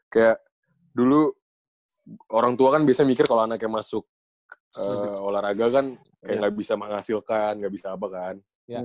kayak dulu orang tua kan biasanya mikir kalau anaknya masuk olahraga kan kayak nggak bisa menghasilkan nggak bisa apa kan